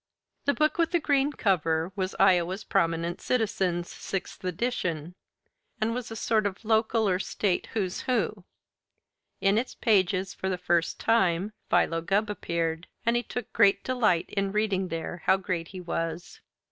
The book with the green cover was "Iowa's Prominent Citizens," sixth edition, and was a sort of local, or state, "Who's Who." In its pages, for the first time, Philo Gubb appeared, and he took great delight in reading there how great he was.